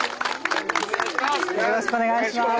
「よろしくお願いします。